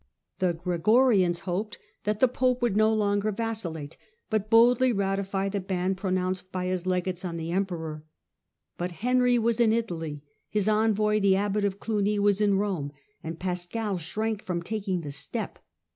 The Gregorians hoped that the pope would no longer Synod in Vacillate, but boldly ratify the ban pronounced ^roh6, ^y ^^3 legates on the emperor. But Henry ^^^^ was in Italy ; his envoy, the abbot of Clugny, was in Rome ; and Pascal shrank from taking the step.